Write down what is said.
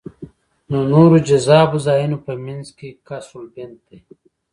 له نورو جذابو ځایونو په منځ کې قصرالبنت دی.